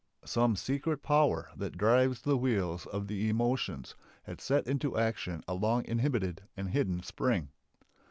Some secret power that drives the wheels of the emotions had set into action a long inhibited and hidden spring.